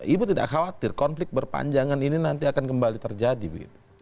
ibu tidak khawatir konflik berpanjangan ini nanti akan kembali terjadi begitu